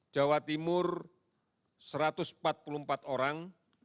jawa timur satu ratus empat puluh empat orang